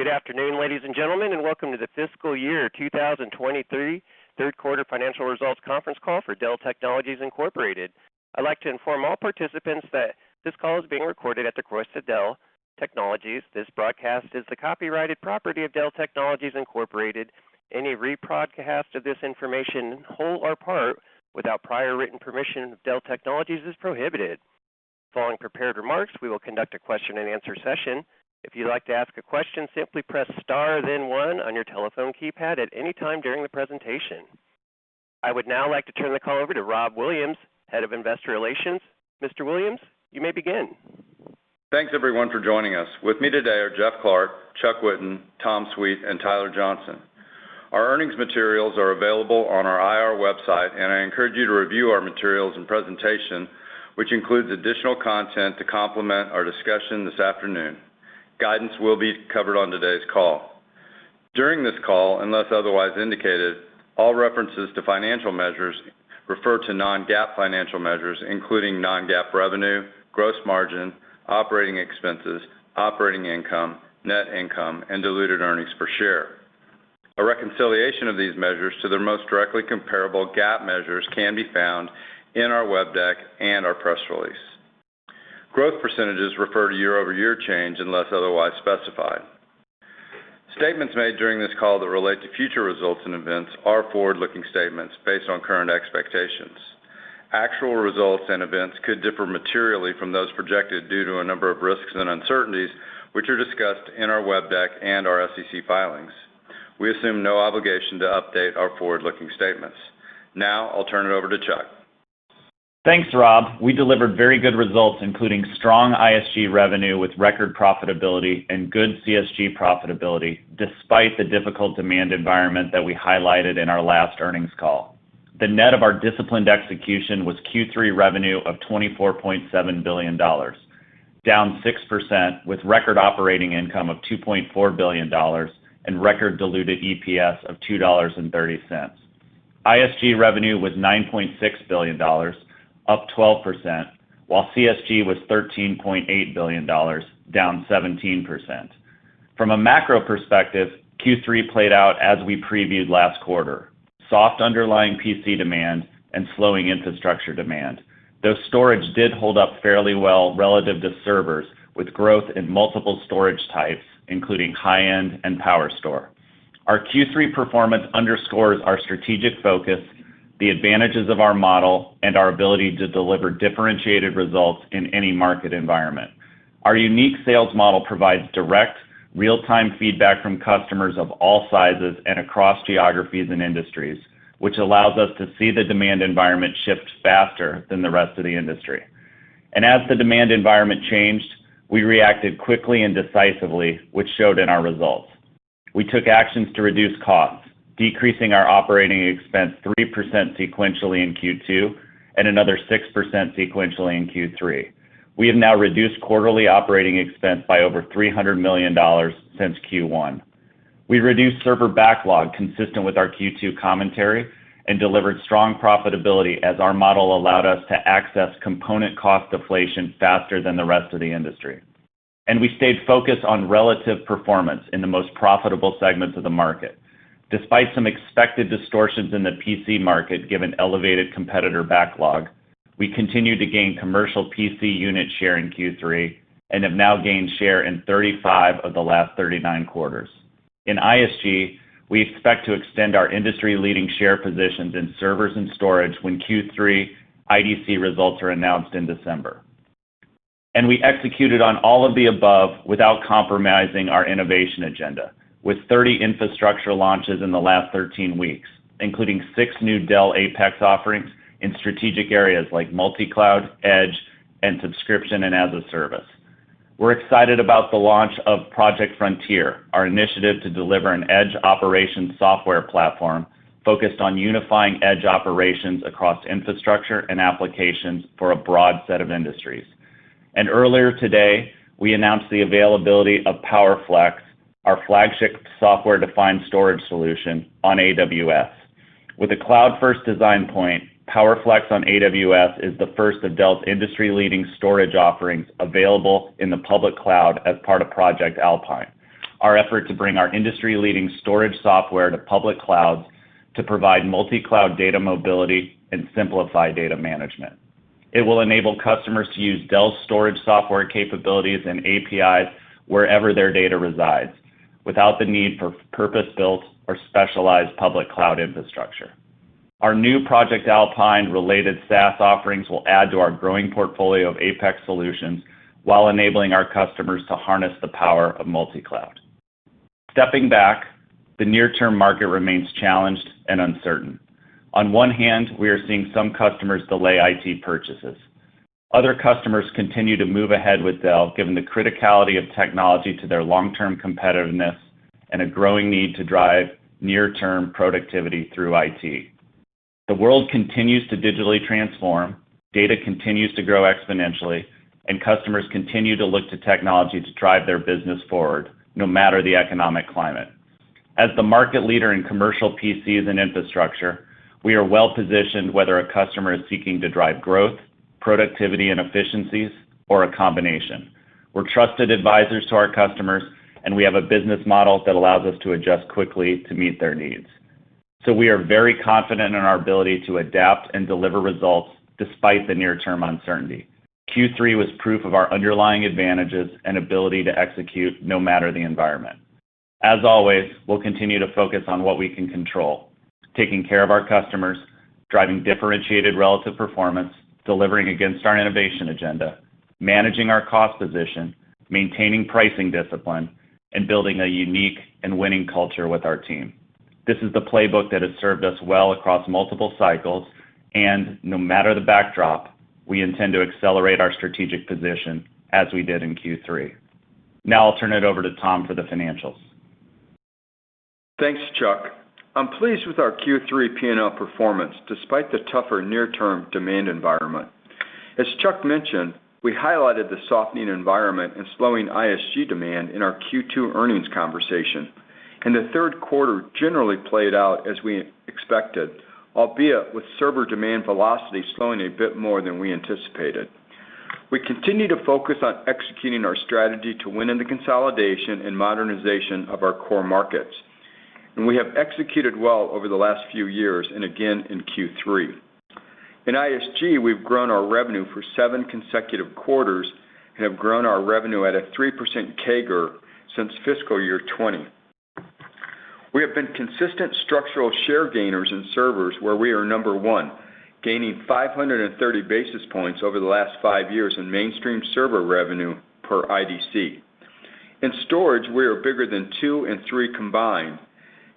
Good afternoon, ladies and gentlemen, and welcome to the fiscal year 2023 third quarter financial results conference call for Dell Technologies Inc.. I'd like to inform all participants that this call is being recorded at the request of Dell Technologies. This broadcast is the copyrighted property of Dell Technologies Inc.. Any rebroadcast of this information, in whole or part, without prior written permission of Dell Technologies is prohibited. Following prepared remarks, we will conduct a question-and-answer session. If you'd like to ask a question, simply press * then 1 on your telephone keypad at any time during the presentation. I would now like to turn the call over to Rob Williams, Head of Investor Relations. Mr. Williams, you may begin. Thanks everyone for joining us. With me today are Jeff Clarke, Chuck Whitten, Tom Sweet, and Tyler Johnson. Our earnings materials are available on our IR website, and I encourage you to review our materials and presentation, which includes additional content to complement our discussion this afternoon. Guidance will be covered on today's call. During this call, unless otherwise indicated, all references to financial measures refer to non-GAAP financial measures, including non-GAAP revenue, gross margin, operating expenses, operating income, net income, and diluted earnings per share. A reconciliation of these measures to their most directly comparable GAAP measures can be found in our web deck and our press release. Growth percentages refer to year-over-year change unless otherwise specified. Statements made during this call that relate to future results and events are forward-looking statements based on current expectations. Actual results and events could differ materially from those projected due to a number of risks and uncertainties, which are discussed in our web deck and our SEC filings. We assume no obligation to update our forward-looking statements. I'll turn it over to Chuck. Thanks, Rob. We delivered very good results, including strong ISG revenue with record profitability and good CSG profitability despite the difficult demand environment that we highlighted in our last earnings call. The net of our disciplined execution was Q3 revenue of $24.7 billion, down 6% with record operating income of $2.4 billion and record diluted EPS of $2.30. ISG revenue was $9.6 billion, up 12%, while CSG was $13.8 billion, down 17%. From a macro perspective, Q3 played out as we previewed last quarter, soft underlying PC demand and slowing infrastructure demand. Though storage did hold up fairly well relative to servers, with growth in multiple storage types, including high-end and PowerStore. Our Q3 performance underscores our strategic focus, the advantages of our model, and our ability to deliver differentiated results in any market environment. Our unique sales model provides direct, real-time feedback from customers of all sizes and across geographies and industries, which allows us to see the demand environment shift faster than the rest of the industry. As the demand environment changed, we reacted quickly and decisively, which showed in our results. We took actions to reduce costs, decreasing our operating expense 3% sequentially in Q2, and another 6% sequentially in Q3. We have now reduced quarterly operating expense by over $300 million since Q1. We reduced server backlog consistent with our Q2 commentary and delivered strong profitability as our model allowed us to access component cost deflation faster than the rest of the industry. We stayed focused on relative performance in the most profitable segments of the market. Despite some expected distortions in the PC market, given elevated competitor backlog, we continued to gain commercial PC unit share in Q3 and have now gained share in 35 of the last 39 quarters. In ISG, we expect to extend our industry-leading share positions in servers and storage when Q3 IDC results are announced in December. We executed on all of the above without compromising our innovation agenda, with 30 infrastructure launches in the last 13 weeks, including 6 new Dell APEX offerings in strategic areas like multicloud, edge, and subscription, and as-a-service. We're excited about the launch of Project Frontier, our initiative to deliver an edge operations software platform focused on unifying edge operations across infrastructure and applications for a broad set of industries. Earlier today, we announced the availability of PowerFlex, our flagship software-defined storage solution on AWS. With a cloud-first design point, PowerFlex on AWS is the first of Dell's industry-leading storage offerings available in the public cloud as part of Project Alpine. Our effort to bring our industry-leading storage software to public clouds to provide multicloud data mobility and simplify data management. It will enable customers to use Dell's storage software capabilities and APIs wherever their data resides without the need for purpose-built or specialized public cloud infrastructure. Our new Project Alpine related SaaS offerings will add to our growing portfolio of APEX solutions while enabling our customers to harness the power of multicloud. Stepping back, the near-term market remains challenged and uncertain. On one hand, we are seeing some customers delay IT purchases. Other customers continue to move ahead with Dell, given the criticality of technology to their long-term competitiveness and a growing need to drive near-term productivity through IT. The world continues to digitally transform, data continues to grow exponentially, and customers continue to look to technology to drive their business forward, no matter the economic climate. As the market leader in commercial PCs and infrastructure, we are well positioned whether a customer is seeking to drive growth, productivity and efficiencies, or a combination. We're trusted advisors to our customers, and we have a business model that allows us to adjust quickly to meet their needs. We are very confident in our ability to adapt and deliver results despite the near-term uncertainty. Q3 was proof of our underlying advantages and ability to execute no matter the environment. As always, we'll continue to focus on what we can control, taking care of our customers, driving differentiated relative performance, delivering against our innovation agenda, managing our cost position, maintaining pricing discipline, and building a unique and winning culture with our team. This is the playbook that has served us well across multiple cycles, and no matter the backdrop, we intend to accelerate our strategic position as we did in Q3. Now I'll turn it over to Tom for the financials. Thanks, Chuck. I'm pleased with our Q3 P&L performance despite the tougher near-term demand environment. As Chuck mentioned, we highlighted the softening environment and slowing ISG demand in our Q2 earnings conversation. The third quarter generally played out as we expected, albeit with server demand velocity slowing a bit more than we anticipated. We continue to focus on executing our strategy to win in the consolidation and modernization of our core markets. We have executed well over the last few years and again in Q3. In ISG, we've grown our revenue for seven consecutive quarters and have grown our revenue at a 3% CAGR since fiscal year 20. We have been consistent structural share gainers in servers where we are number one, gaining 530 basis points over the last five years in mainstream server revenue per IDC. In storage, we are bigger than 2 and 3 combined,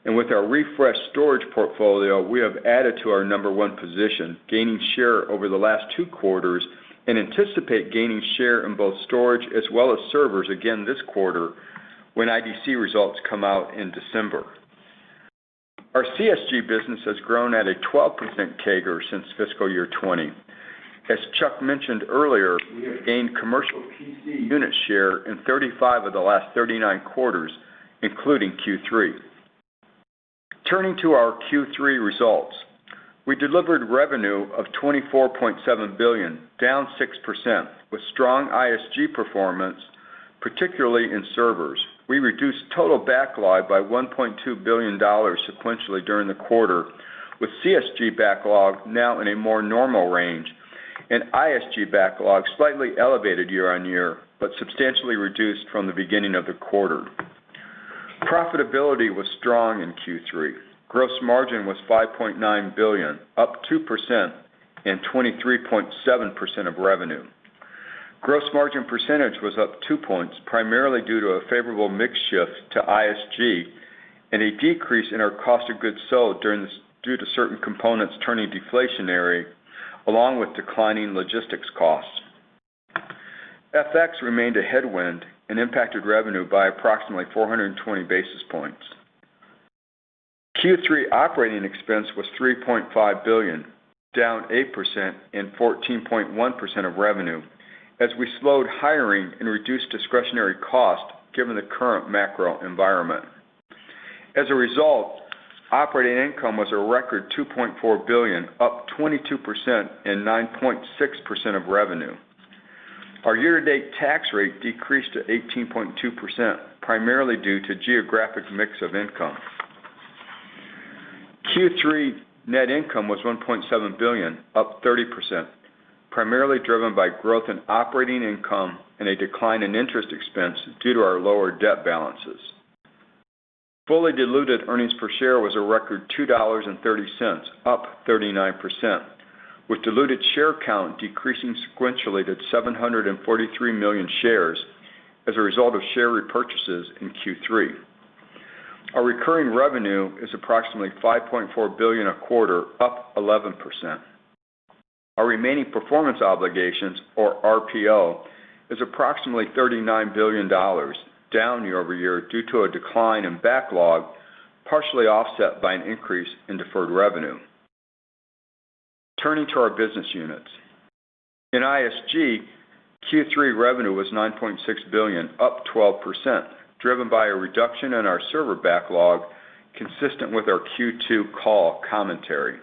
and with our refreshed storage portfolio, we have added to our number 1 position, gaining share over the last 2 quarters and anticipate gaining share in both storage as well as servers again this quarter when IDC results come out in December. Our CSG business has grown at a 12% CAGR since fiscal year 20. As Chuck mentioned earlier, we have gained commercial PC unit share in 35 of the last 39 quarters, including Q3. Turning to our Q3 results, we delivered revenue of $24.7 billion, down 6%, with strong ISG performance, particularly in servers. We reduced total backlog by $1.2 billion sequentially during the quarter, with CSG backlog now in a more normal range and ISG backlog slightly elevated year-on-year but substantially reduced from the beginning of the quarter. Profitability was strong in Q3. Gross margin was $5.9 billion, up 2%, and 23.7% of revenue. Gross margin percentage was up 2 points, primarily due to a favorable mix shift to ISG and a decrease in our cost of goods sold due to certain components turning deflationary along with declining logistics costs. FX remained a headwind and impacted revenue by approximately 420 basis points. Q3 operating expense was $3.5 billion, down 8% and 14.1% of revenue as we slowed hiring and reduced discretionary cost given the current macro environment. As a result, operating income was a record $2.4 billion, up 22% and 9.6% of revenue. Our year-to-date tax rate decreased to 18.2%, primarily due to geographic mix of income. Q3 net income was $1.7 billion, up 30%, primarily driven by growth in operating income and a decline in interest expense due to our lower debt balances. Fully diluted earnings per share was a record $2.30, up 39%, with diluted share count decreasing sequentially to 743 million shares as a result of share repurchases in Q3. Our recurring revenue is approximately $5.4 billion a quarter, up 11%. Our remaining performance obligations, or RPO, is approximately $39 billion, down year-over-year due to a decline in backlog, partially offset by an increase in deferred revenue. Turning to our business units. In ISG, Q3 revenue was $9.6 billion, up 12%, driven by a reduction in our server backlog consistent with our Q2 call commentary.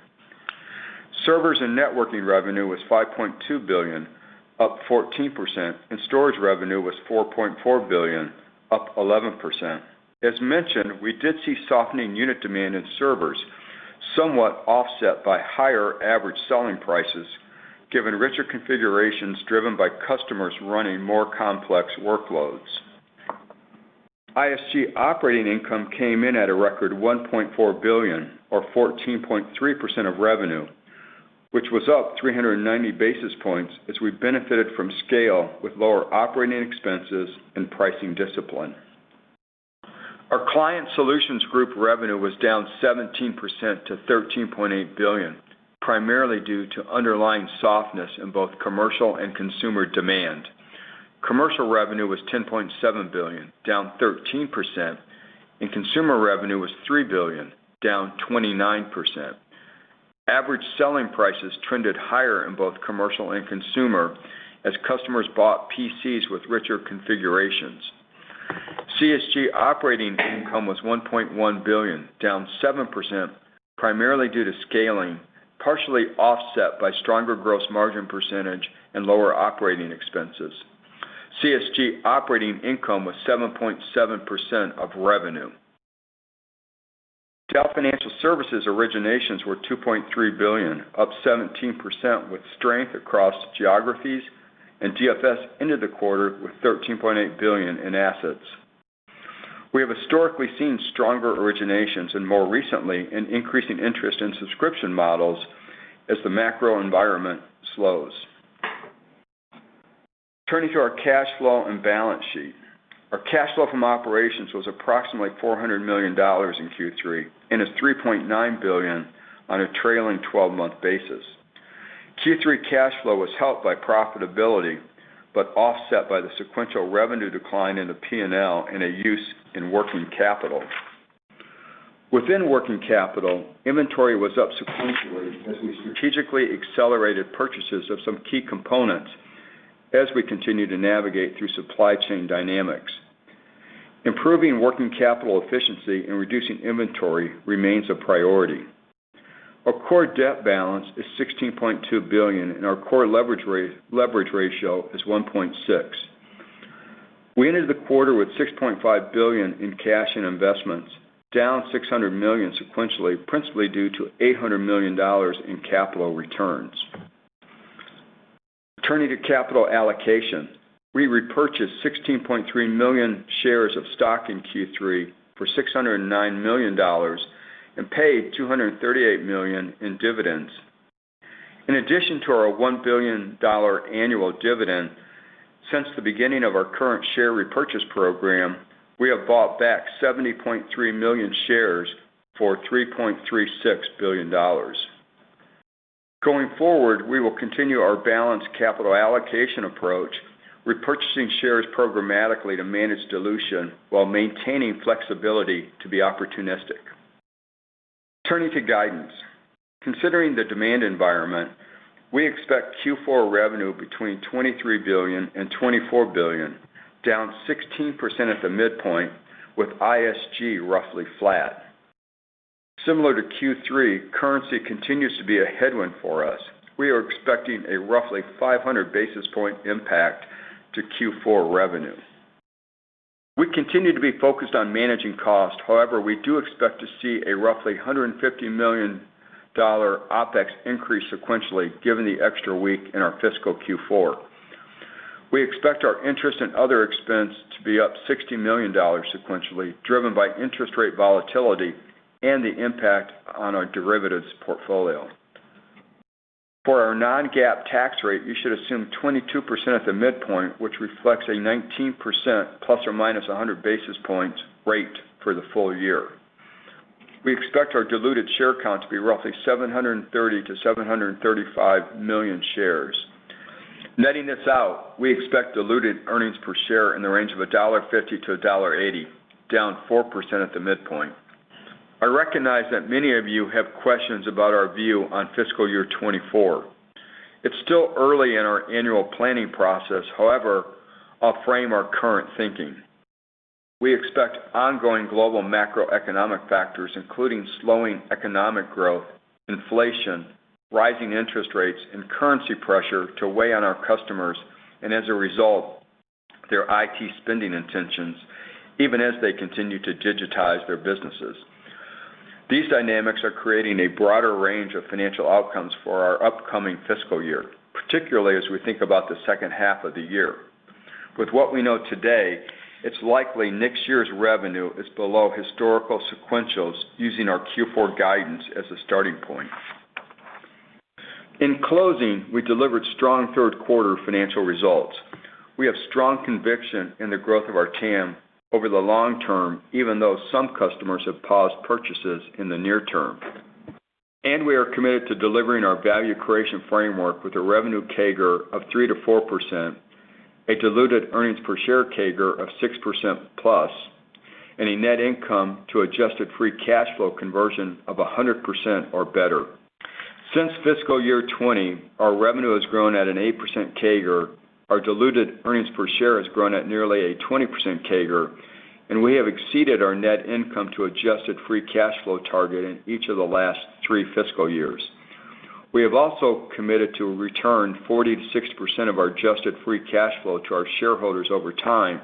Servers and networking revenue was $5.2 billion, up 14%, and storage revenue was $4.4 billion, up 11%. As mentioned, we did see softening unit demand in servers, somewhat offset by higher average selling prices given richer configurations driven by customers running more complex workloads. ISG operating income came in at a record $1.4 billion or 14.3% of revenue, which was up 390 basis points as we benefited from scale with lower operating expenses and pricing discipline. Our Client Solutions Group revenue was down 17% to $13.8 billion, primarily due to underlying softness in both commercial and consumer demand. Commercial revenue was $10.7 billion, down 13%, and consumer revenue was $3 billion, down 29%. Average selling prices trended higher in both commercial and consumer as customers bought PCs with richer configurations. CSG operating income was $1.1 billion, down 7%, primarily due to scaling, partially offset by stronger gross margin percentage and lower operating expenses. CSG operating income was 7.7% of revenue. Dell Financial Services originations were $2.3 billion, up 17% with strength across geographies, and DFS ended the quarter with $13.8 billion in assets. We have historically seen stronger originations and more recently an increasing interest in subscription models as the macro environment slows. Turning to our cash flow and balance sheet. Our cash flow from operations was approximately $400 million in Q3 and is $3.9 billion on a trailing twelve-month basis. Q3 cash flow was helped by profitability, but offset by the sequential revenue decline in the P&L and a use in working capital. Within working capital, inventory was up sequentially as we strategically accelerated purchases of some key components as we continue to navigate through supply chain dynamics. Improving working capital efficiency and reducing inventory remains a priority. Our core debt balance is $16.2 billion, and our core leverage ratio is 1.6. We ended the quarter with $6.5 billion in cash and investments, down $600 million sequentially, principally due to $800 million in capital returns. Turning to capital allocation. We repurchased 16.3 million shares of stock in Q3 for $609 million and paid $238 million in dividends. In addition to our $1 billion annual dividend, since the beginning of our current share repurchase program, we have bought back 70.3 million shares for $3.36 billion. Going forward, we will continue our balanced capital allocation approach, repurchasing shares programmatically to manage dilution while maintaining flexibility to be opportunistic. Turning to guidance. Considering the demand environment, we expect Q4 revenue between $23 billion and $24 billion, down 16% at the midpoint, with ISG roughly flat. Similar to Q3, currency continues to be a headwind for us. We are expecting a roughly 500 basis point impact to Q4 revenue. We continue to be focused on managing cost. However, we do expect to see a roughly $150 million OpEx increase sequentially given the extra week in our fiscal Q4. We expect our interest and other expense to be up $60 million sequentially, driven by interest rate volatility and the impact on our derivatives portfolio. For our non-GAAP tax rate, you should assume 22% at the midpoint, which reflects a 19% ±100 basis points rate for the full year. We expect our diluted share count to be roughly 730 million-735 million shares. Netting this out, we expect diluted earnings per share in the range of $1.50-$1.80, down 4% at the midpoint. I recognize that many of you have questions about our view on fiscal year 2024. It's still early in our annual planning process. I'll frame our current thinking. We expect ongoing global macroeconomic factors, including slowing economic growth, inflation, rising interest rates, and currency pressure to weigh on our customers and as a result, their IT spending intentions, even as they continue to digitize their businesses. These dynamics are creating a broader range of financial outcomes for our upcoming fiscal year, particularly as we think about the second half of the year. With what we know today, it's likely next year's revenue is below historical sequentials using our Q4 guidance as a starting point. In closing, we delivered strong third quarter financial results. We have strong conviction in the growth of our TAM over the long term, even though some customers have paused purchases in the near term. We are committed to delivering our value creation framework with a revenue CAGR of 3%-4%, a diluted earnings per share CAGR of 6%+, and a net income to adjusted free cash flow conversion of 100% or better. Since fiscal year 20, our revenue has grown at an 8% CAGR, our diluted EPS has grown at nearly a 20% CAGR. We have exceeded our net income to adjusted free cash flow target in each of the last 3 fiscal years. We have also committed to return 40%-60% of our adjusted free cash flow to our shareholders over time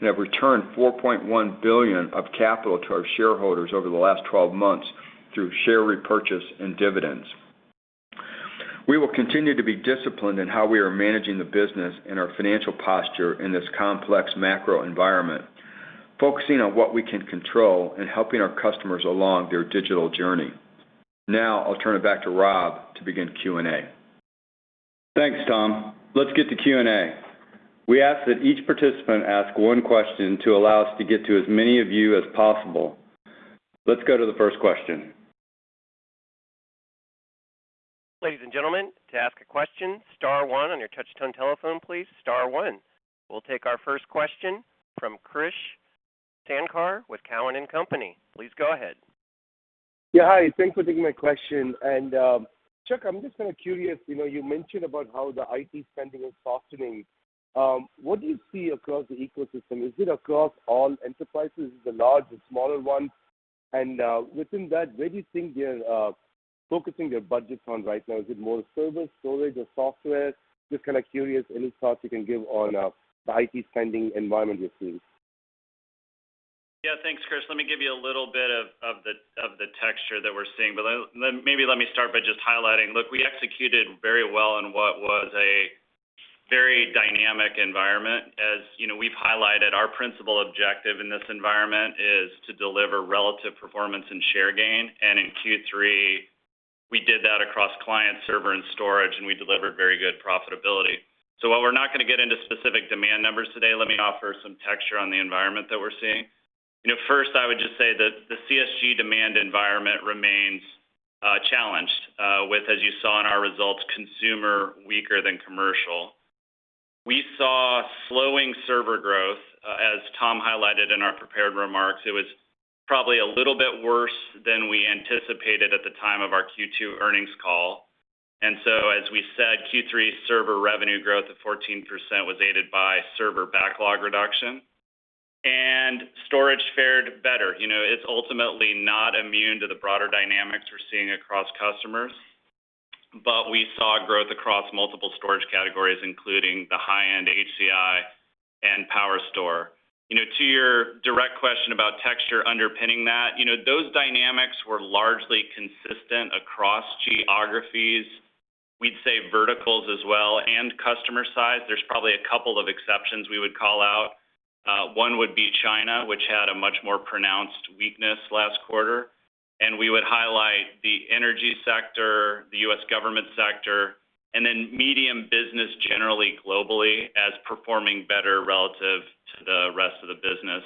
and have returned $4.1 billion of capital to our shareholders over the last 12 months through share repurchase and dividends. We will continue to be disciplined in how we are managing the business and our financial posture in this complex macro environment, focusing on what we can control and helping our customers along their digital journey. Now I'll turn it back to Rob to begin Q&A. Thanks, Tom. Let's get to Q&A. We ask that each participant ask one question to allow us to get to as many of you as possible. Let's go to the first question. Ladies and gentlemen, to ask a question, star one on your touch-tone telephone, please. Star one. We'll take our first question from Krish Sankar with Cowen and Company, please go ahead. Yeah. Hi. Thanks for taking my question. Chuck, I'm just kinda curious, you mentioned about how the IT spending is softening. What do you see across the ecosystem? Is it across all enterprises, the large and smaller ones? Within that, where do you think they're focusing their budgets on right now? Is it more service, storage, or software? Just kinda curious, any thoughts you can give on the IT spending environment you're seeing. Yeah. Thanks, Chris. Let me give you a little bit of the texture that we're seeing. Maybe let me start by just highlighting. Look, we executed very well in what was a very dynamic environment. As, we've highlighted, our principal objective in this environment is to deliver relative performance and share gain. In Q3, we did that across client, server, and storage, and we delivered very good profitability. While we're not gonna get into specific demand numbers today, let me offer some texture on the environment that we're seeing. First, I would just say that the CSG demand environment remains challenged, with, as you saw in our results, consumer weaker than commercial. We saw slowing server growth, as Tom highlighted in our prepared remarks. It was probably a little bit worse than we anticipated at the time of our Q2 earnings call. As we said, Q3 server revenue growth of 14% was aided by server backlog reduction. Storage fared better. It's ultimately not immune to the broader dynamics we're seeing across customers, but we saw growth across multiple storage categories, including the high-end HCI and PowerStore. You know, to your direct question about texture underpinning that those dynamics were largely consistent across geographies. We'd say verticals as well and customer size. There's probably a couple of exceptions we would call out. One would be China, which had a much more pronounced weakness last quarter. We would highlight the energy sector, the U.S. government sector, and then medium business generally globally as performing better relative to the rest of the business.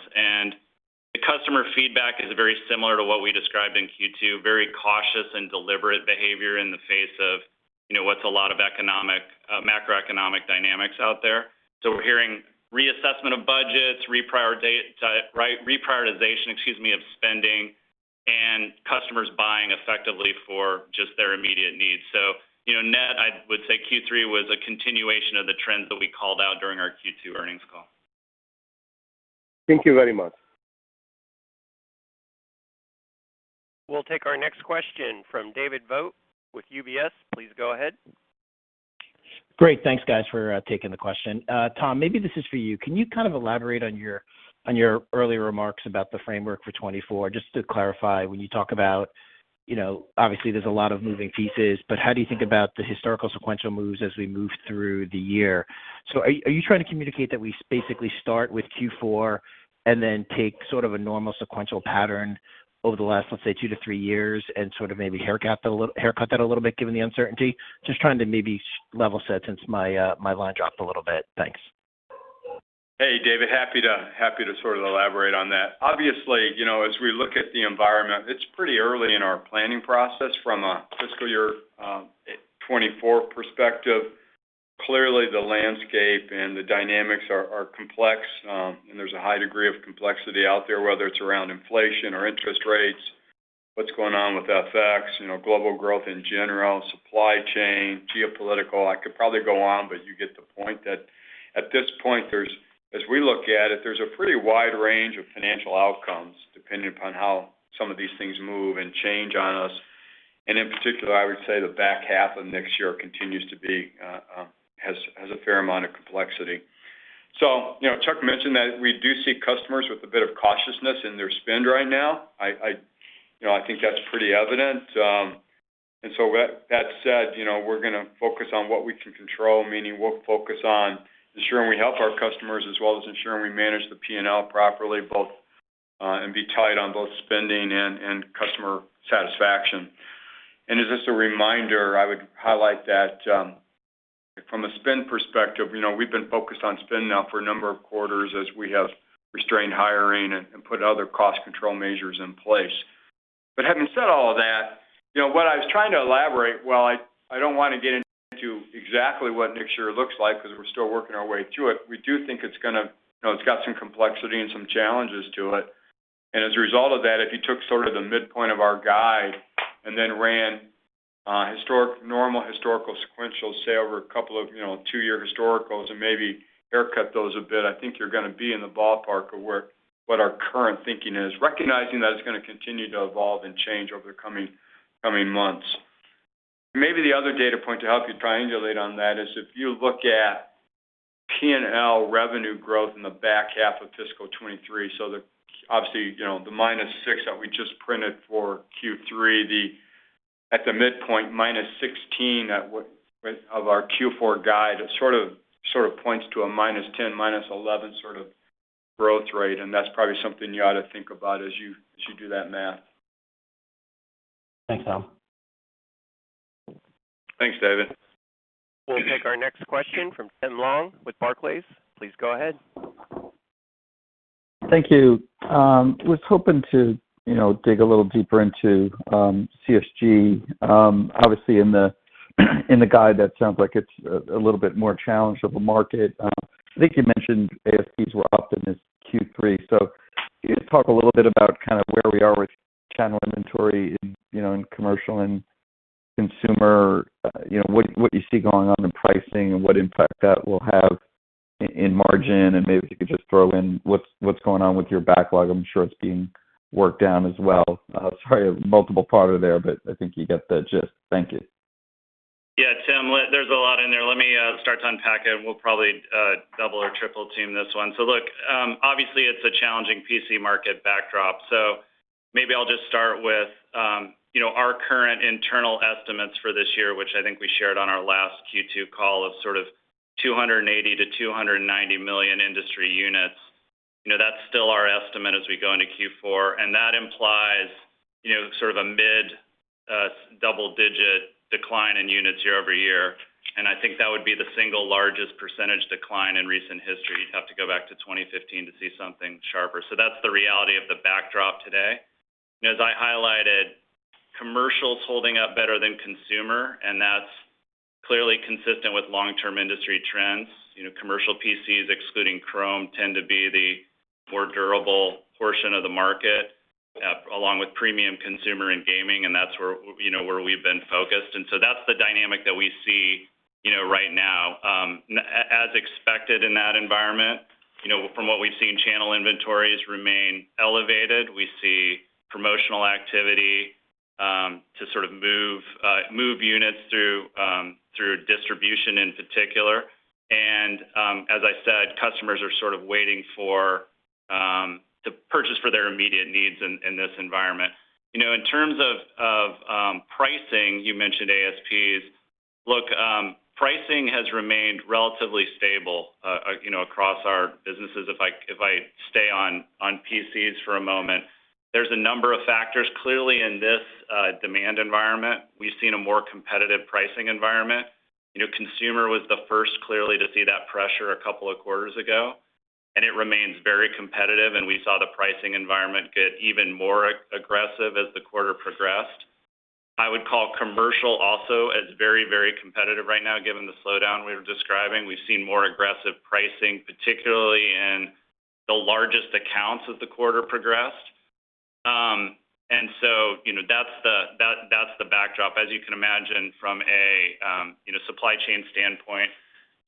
The customer feedback is very similar to what we described in Q2, very cautious and deliberate behavior in the face of, what's a lot of macroeconomic dynamics out there. We're hearing reassessment of budgets, reprioritization, excuse me, of spending and customers buying effectively for just their immediate needs. NEt, I would say Q3 was a continuation of the trends that we called out during our Q2 earnings call. Thank you very much. We'll take our next question from David Vogt with UBS. Please go ahead. Great. Thanks, guys, for taking the question. Tom, maybe this is for you. Can you kind of elaborate on your, on your earlier remarks about the framework for 2024? Just to clarify, when you talk about, you know, obviously, there's a lot of moving pieces, but how do you think about the historical sequential moves as we move through the year? Are you trying to communicate that we basically start with Q4 and then take sort of a normal sequential pattern over the last, let's say, two to three years and sort of maybe haircut that a little bit given the uncertainty? Just trying to maybe level set since my line dropped a little bit. Thanks. Hey, David. Happy to sort of elaborate on that. Obviously, you know, as we look at the environment, it's pretty early in our planning process from a fiscal year 2024 perspective. Clearly, the landscape and the dynamics are complex, and there's a high degree of complexity out there, whether it's around inflation or interest rates, what's going on with FX, you know, global growth in general, supply chain, geopolitical. I could probably go on, but you get the point that at this point, as we look at it, there's a pretty wide range of financial outcomes depending upon how some of these things move and change on us. In particular, I would say the back half of next year continues to be, has a fair amount of complexity. You know, Chuck mentioned that we do see customers with a bit of cautiousness in their spend right now. You know, I think that's pretty evident. That said, you know, we're gonna focus on what we can control, meaning we'll focus on ensuring we help our customers as well as ensuring we manage the P&L properly, both and be tight on both spending and customer satisfaction. As just a reminder, I would highlight that from a spend perspective, you know, we've been focused on spend now for a number of quarters as we have restrained hiring and put other cost control measures in place. Having said all of that, you know, what I was trying to elaborate, while I don't wanna get into exactly what next year looks like because we're still working our way through it, we do think it's gonna, you know, it's got some complexity and some challenges to it. As a result of that, if you took sort of the midpoint of our guide and then ran normal historical sequential, say, over a couple of, you know, two-year historicals and maybe haircut those a bit, I think you're gonna be in the ballpark of where what our current thinking is. Recognizing that it's gonna continue to evolve and change over the coming months. Maybe the other data point to help you triangulate on that is if you look at P&L revenue growth in the back half of fiscal 2023, so obviously, you know, the -6% that we just printed for Q3, at the midpoint -16% of our Q4 guide, it sort of points to a -10% to -11% sort of growth rate. That's probably something you ought to think about as you do that math. Thanks, Tom. Thanks, David. We'll take our next question from Tim Long with Barclays. Please go ahead. Thank you. Was hoping to, you know, dig a little deeper into, CSG. Obviously In the guide, that sounds like it's a little bit more challenged of a market. I think you mentioned ASPs were up in this Q3. Can you talk a little bit about kinda where we are with channel inventory in, you know, in commercial and consumer? You know, what you see going on in pricing and what impact that will have in margin, maybe if you could just throw in what's going on with your backlog? I'm sure it's being worked down as well. Sorry, a multiple parter there, but I think you get the gist. Thank you. Yeah, Tim, there's a lot in there. Let me start to unpack it, and we'll probably double or triple-team this one. Look, obviously it's a challenging PC market backdrop, so maybe I'll just start with, you know, our current internal estimates for this year, which I think we shared on our last Q2 call of sort of 280 million-290 million industry units. You know, that's still our estimate as we go into Q4, and that implies, you know, sort of a mid double-digit decline in units year-over-year. I think that would be the single largest percentage decline in recent history. You'd have to go back to 2015 to see something sharper. That's the reality of the backdrop today. As I highlighted, commercial's holding up better than consumer, and that's clearly consistent with long-term industry trends. You know, commercial PCs, excluding Chrome, tend to be the more durable portion of the market, along with premium consumer and gaming, and that's where, you know, where we've been focused. That's the dynamic that we see, you know, right now. As expected in that environment, you know, from what we've seen, channel inventories remain elevated. We see promotional activity to sort of move units through distribution in particular. As I said, customers are sort of waiting for to purchase for their immediate needs in this environment. You know, in terms of pricing, you mentioned ASPs. Look, pricing has remained relatively stable, you know, across our businesses. If I stay on PCs for a moment, there's a number of factors. Clearly, in this demand environment, we've seen a more competitive pricing environment. You know, consumer was the first clearly to see that pressure 2 quarters ago, and it remains very competitive, and we saw the pricing environment get even more aggressive as the quarter progressed. I would call commercial also as very, very competitive right now, given the slowdown we were describing. We've seen more aggressive pricing, particularly in the largest accounts as the quarter progressed. So, you know, that's the backdrop. As you can imagine from a, you know, supply chain standpoint,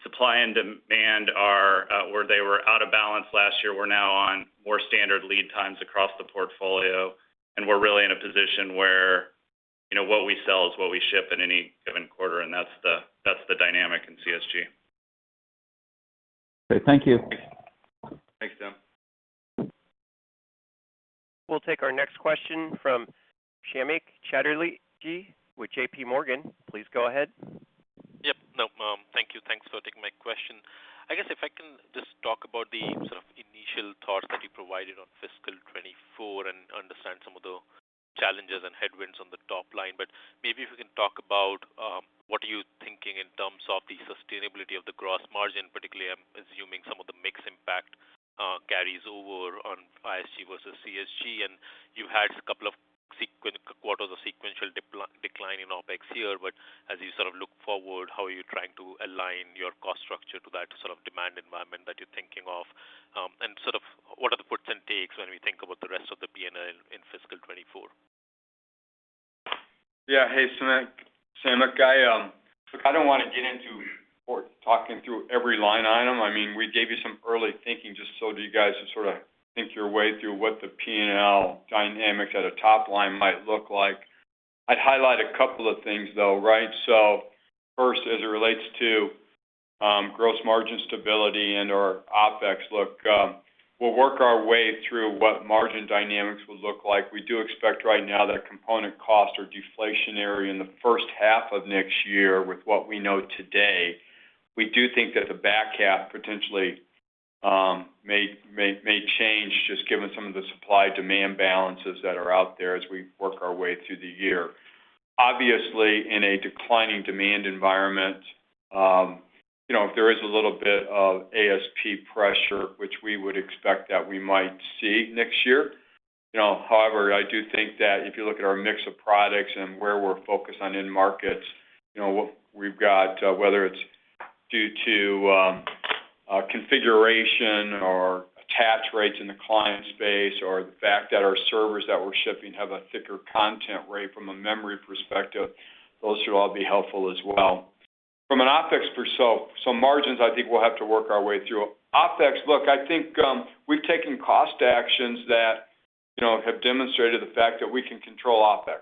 supply and demand are. Where they were out of balance last year, we're now on more standard lead times across the portfolio, and we're really in a position where, you know, what we sell is what we ship in any given quarter, and that's the dynamic in CSG. Okay. Thank you. Thanks. Thanks, Tim. We'll take our next question from Samik Chatterjee with J.P. Morgan. Please go ahead. Yep. No, thank you. Thanks for taking my question. I guess if I can just talk about the sort of initial thoughts that you provided on fiscal 2024 and understand some of the challenges and headwinds on the top line, but maybe if you can talk about what are you thinking in terms of the sustainability of the gross margin, particularly I'm assuming some of the mix impact carries over on ISG versus CSG. You had a couple of quarters of sequential decline in OpEx here, but as you sort of look forward, how are you trying to align your cost structure to that sort of demand environment that you're thinking of? Sort of what are the puts and takes when we think about the rest of the P&L in fiscal 2024? Hey, Samik. Samik, I, look, I don't wanna get into or talking through every line item. I mean, we gave you some early thinking just so that you guys can sort of think your way through what the P&L dynamics at a top line might look like. I'd highlight a couple of things, though, right? First, as it relates to gross margin stability and/or OpEx, look, we'll work our way through what margin dynamics would look like. We do expect right now that component costs are deflationary in the first half of next year with what we know today. We do think that the back half potentially may change just given some of the supply-demand balances that are out there as we work our way through the year. Obviously, in a declining demand environment, you know, if there is a little bit of ASP pressure, which we would expect that we might see next year. You know, however, I do think that if you look at our mix of products and where we're focused on end markets, you know, what we've got, whether it's due to, configuration or attach rates in the client space or the fact that our servers that we're shipping have a thicker content rate from a memory perspective, those should all be helpful as well. From an OpEx so-so margins, I think we'll have to work our way through. OpEx, look, I think, we've taken cost actions that, you know, have demonstrated the fact that we can control OpEx.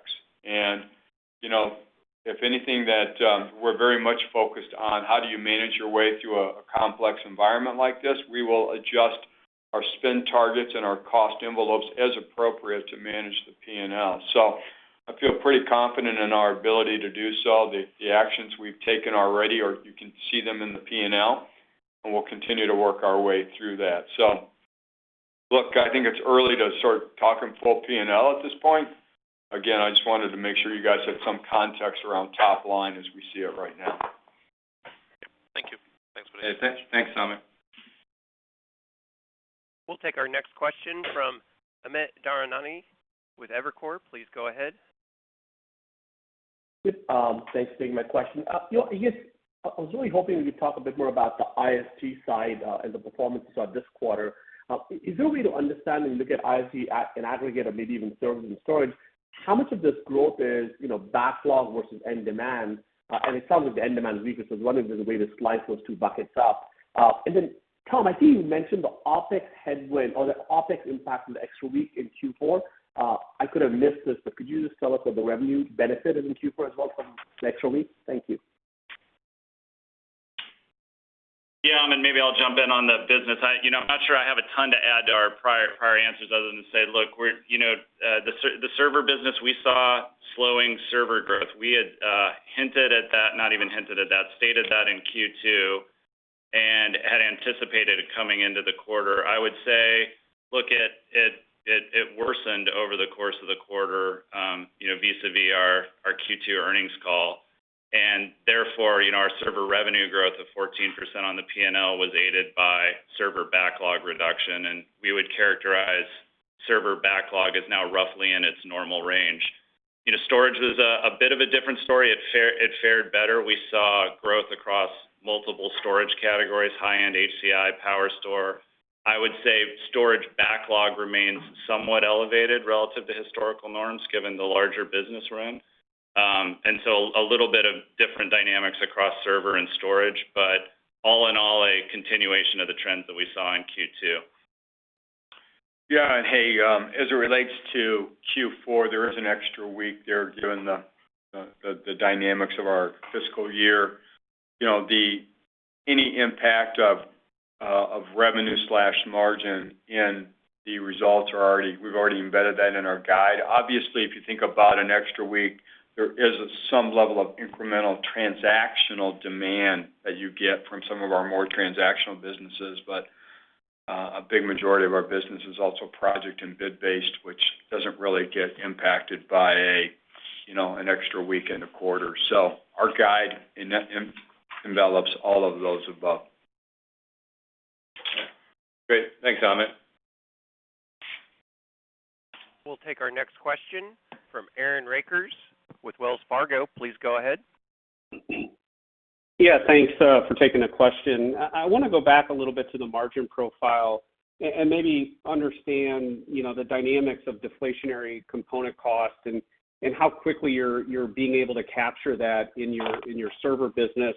You know, if anything that, we're very much focused on, how do you manage your way through a complex environment like this? We will adjust our spend targets and our cost envelopes as appropriate to manage the P&L. I feel pretty confident in our ability to do so. The actions we've taken already. You can see them in the P&L, and we'll continue to work our way through that. Look, I think it's early to start talking full P&L at this point. Again, I just wanted to make sure you guys had some context around top line as we see it right now. Hey, thanks, Amit. We'll take our next question from Amit Daryanani with Evercore. Please go ahead. Good. Thanks for taking my question. You know, I guess I was really hoping we could talk a bit more about the ISG side, and the performances of this quarter. Is there a way to understand and look at ISG in aggregate or maybe even service and storage? How much of this growth is, you know, backlog versus end demand? It sounds like the end demand is weaker. I was wondering if there's a way to slice those two buckets up. Then Tom, I see you mentioned the OpEx headwind or the OpEx impact of the extra week in Q4. I could have missed this, but could you just tell us what the revenue benefit is in Q4 as well from the extra week? Thank you. Yeah. Amit, maybe I'll jump in on the business. I, you know, I'm not sure I have a ton to add to our prior answers other than to say, look, we're, you know, the server business, we saw slowing server growth. We had hinted at that, not even hinted at that, stated that in Q2 and had anticipated it coming into the quarter. I would say look at it worsened over the course of the quarter, you know, vis-a-vis our Q2 earnings call. Therefore, you know, our server revenue growth of 14% on the P&L was aided by server backlog reduction, and we would characterize server backlog is now roughly in its normal range. You know, storage is a bit of a different story. It fared better. We saw growth across multiple storage categories, high-end HCI, PowerStore. I would say storage backlog remains somewhat elevated relative to historical norms given the larger business run. A little bit of different dynamics across server and storage. All in all, a continuation of the trends that we saw in Q2. Hey, as it relates to Q4, there is an extra week there given the dynamics of our fiscal year. You know, any impact of revenue/margin in the results we've already embedded that in our guide. Obviously, if you think about an extra week, there is some level of incremental transactional demand that you get from some of our more transactional businesses. A big majority of our business is also project and bid-based, which doesn't really get impacted by a, you know, an extra week in a quarter. Our guide envelopes all of those above. Great. Thanks, Amit. We'll take our next question from Aaron Rakers with Wells Fargo. Please go ahead. Yeah, thanks for taking the question. I wanna go back a little bit to the margin profile and maybe understand, you know, the dynamics of deflationary component costs and how quickly you're being able to capture that in your server business.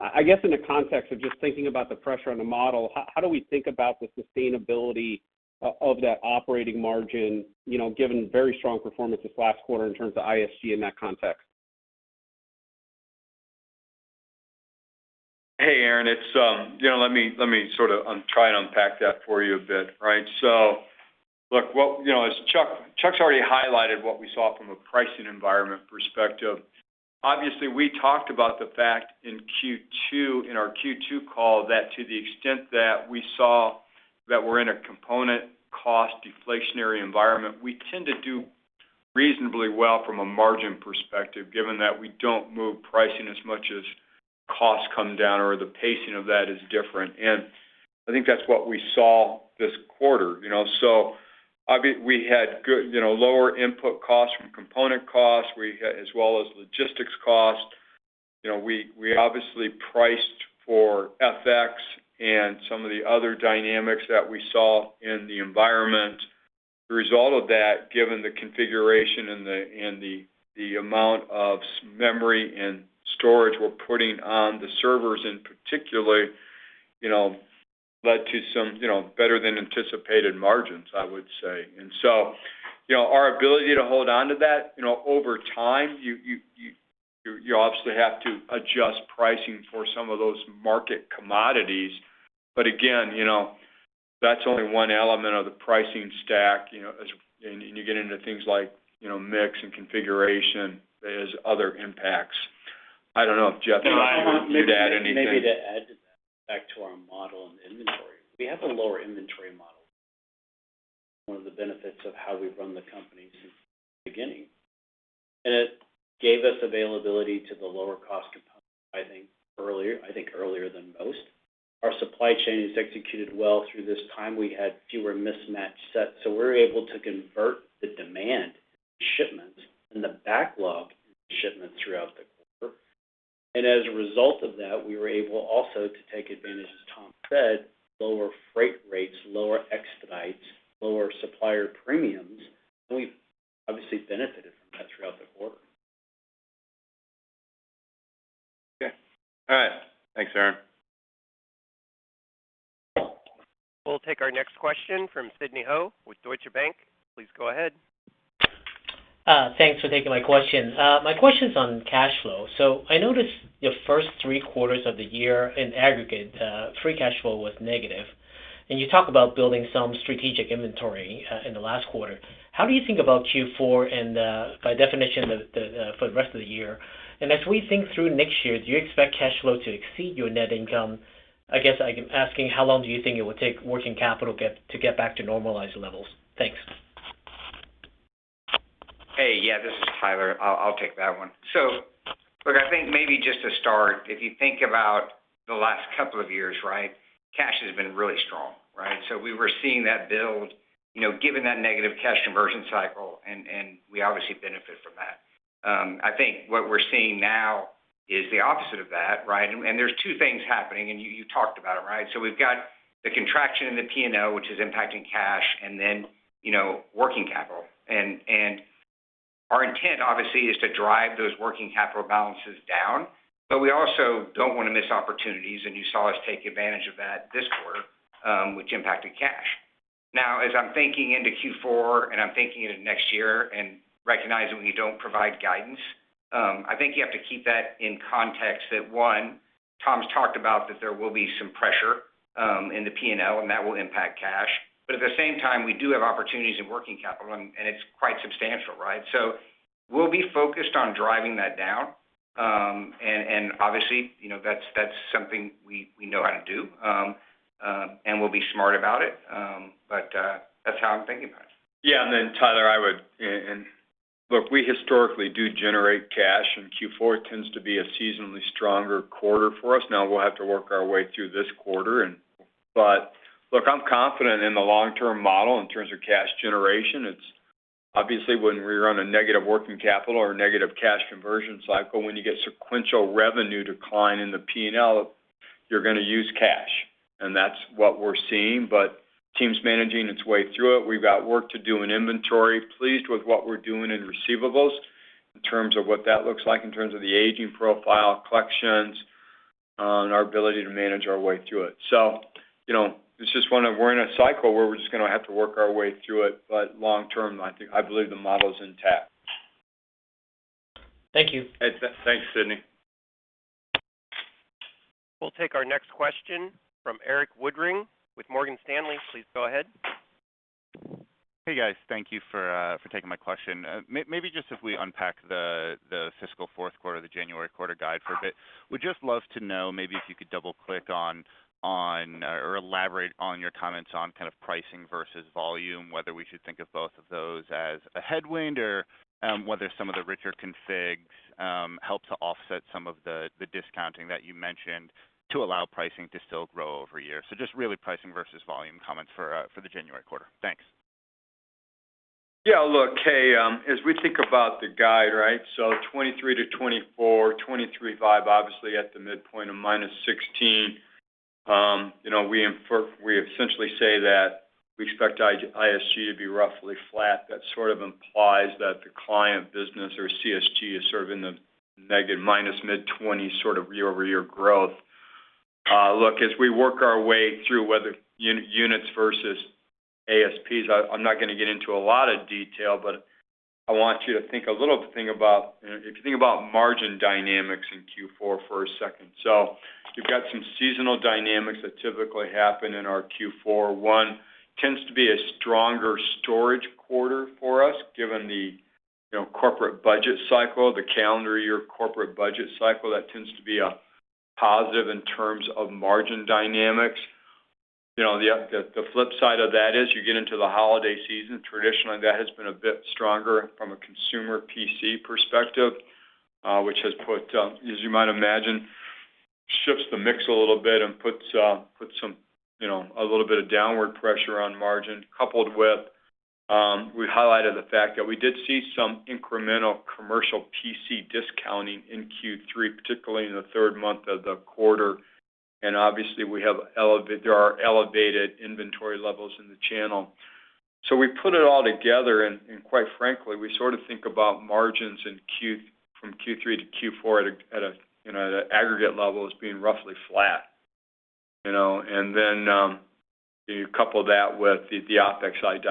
I guess in the context of just thinking about the pressure on the model, how do we think about the sustainability of that operating margin, you know, given very strong performance this last quarter in terms of ISG in that context? Hey, Aaron, you know, let me unpack that for you a bit, right? Look, what, you know, as Chuck's already highlighted what we saw from a pricing environment perspective. Obviously, we talked about the fact in Q2, in our Q2 call, that to the extent that we saw that we're in a component cost deflationary environment, we tend to do reasonably well from a margin perspective, given that we don't move pricing as much as costs come down or the pacing of that is different. I think that's what we saw this quarter, you know. We had good, you know, lower input costs from component costs. As well as logistics costs. You know, we obviously priced for FX and some of the other dynamics that we saw in the environment. The result of that, given the configuration and the, and the amount of memory and storage we're putting on the servers in particular, you know, led to some, you know, better than anticipated margins, I would say. So, you know, our ability to hold on to that, you know, over time, you obviously have to adjust pricing for some of those market commodities. Again, you know, that's only one element of the pricing stack, you know, as. You get into things like, you know, mix and configuration. There's other impacts. I don't know if Jeff, if you'd add anything. Maybe to add to that, back to our model and inventory. We have a lower inventory model. One of the benefits of how we've run the company since the beginning. It gave us availability to the lower cost of I think earlier than most. Our supply chain has executed well through this time. We had fewer mismatched sets, so we were able to convert the demand shipments and the backlog shipments throughout the quarter. As a result of that, we were able also to take advantage, as Tom said, lower freight rates, lower expedites, lower supplier premiums. We've obviously benefited from that throughout the quarter. Okay. All right. Thanks, Aaron. We'll take our next question from Sidney Ho with Deutsche Bank. Please go ahead. Thanks for taking my question. My question's on cash flow. I noticed your first three quarters of the year in aggregate, free cash flow was negative. You talk about building some strategic inventory in the last quarter. How do you think about Q4 and by definition for the rest of the year? As we think through next year, do you expect cash flow to exceed your net income? I guess I am asking how long do you think it will take working capital to get back to normalized levels? Thanks. Hey, yeah, this is Tyler. I'll take that one. Look, I think maybe just to start, if you think about the last couple of years, right? Cash has been really strong, right? We were seeing that build, you know, given that negative cash conversion cycle, and we obviously benefit from that. I think what we're seeing now is the opposite of that, right? And there's 2 things happening, and you talked about it, right? We've got the contraction in the P&L, which is impacting cash and then, you know, working capital. And our intent obviously is to drive those working capital balances down, but we also don't wanna miss opportunities, and you saw us take advantage of that this quarter, which impacted cash. As I'm thinking into Q4, and I'm thinking into next year and recognizing we don't provide guidance, I think you have to keep that in context that, one, Tom's talked about that there will be some pressure in the P&L, and that will impact cash. At the same time, we do have opportunities in working capital and it's quite substantial, right? We'll be focused on driving that down. And obviously, you know, that's something we know how to do. And we'll be smart about it. But that's how I'm thinking about it. Yeah. Tyler, look, we historically do generate cash, Q4 tends to be a seasonally stronger quarter for us. we'll have to work our way through this quarter. look, I'm confident in the long-term model in terms of cash generation. It's obviously when we run a negative working capital or a negative cash conversion cycle, when you get sequential revenue decline in the P&L, you're gonna use cash. That's what we're seeing. Team's managing its way through it. We've got work to do in inventory. Pleased with what we're doing in receivables in terms of what that looks like in terms of the aging profile, collections, and our ability to manage our way through it. you know, it's just one of we're in a cycle where we're just gonna have to work our way through it. Long-term, I think, I believe the model's intact. Thank you. Thanks, Sidney. We'll take our next question from Erik Woodring with Morgan Stanley. Please go ahead. Hey, guys. Thank you for taking my question. Maybe just if we unpack the fiscal fourth quarter, the January quarter guide for a bit. Would just love to know maybe if you could double-click on or elaborate on your comments on kind of pricing versus volume, whether we should think of both of those as a headwind, or whether some of the richer configs help to offset some of the discounting that you mentioned to allow pricing to still grow over a year. Just really pricing versus volume comments for the January quarter. Thanks. Yeah, look, hey, as we think about the guide, right? 2023-2024, 23.5, obviously at the midpoint of -16%. You know, we essentially say that we expect ISG to be roughly flat. That sort of implies that the client business or CSG is sort of in the negative minus mid-20s sort of year-over-year growth. Look, as we work our way through whether units versus ASPs, I'm not gonna get into a lot of detail, but I want you to think a little bit think about, you know, if you think about margin dynamics in Q4 for a second. You've got some seasonal dynamics that typically happen in our Q4. 1 tends to be a stronger storage quarter for us, given the, you know, corporate budget cycle, the calendar year corporate budget cycle. That tends to be a positive in terms of margin dynamics. You know, the flip side of that is you get into the holiday season. Traditionally, that has been a bit stronger from a consumer PC perspective, which has put, as you might imagine, shifts the mix a little bit and puts some, you know, a little bit of downward pressure on margin, coupled with, we highlighted the fact that we did see some incremental commercial PC discounting in Q3, particularly in the third month of the quarter. Obviously, there are elevated inventory levels in the channel. We put it all together, quite frankly, we sort of think about margins from Q3 to Q4 at the aggregate level as being roughly flat, you know. You couple that with the OpEx side